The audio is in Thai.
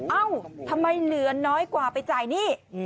เอ้าทำไมเหลือน้อยกว่าไปจ่ายหนี้